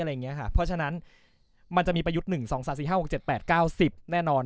เพราะฉะนั้นมันจะมีประยุทธ์๑๒๓๔๕๖๗๘๙๐แน่นอน